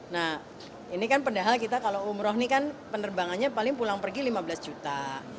nah ini kan padahal kita kalau umroh ini kan penerbangannya paling pulang pergi lima belas juta